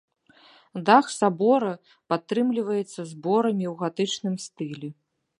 Дах сабора падтрымліваецца зборамі ў гатычным стылі.